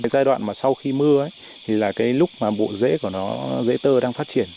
giai đoạn mà sau khi mưa thì là cái lúc mà bộ dễ của nó dễ tơ đang phát triển